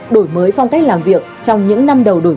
đổi mới phong cách làm việc trong những năm đầu đổi mới